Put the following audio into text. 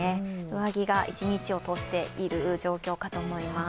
上着が一日を通している状況かと思います。